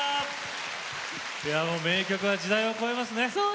名曲は時代を超えますね。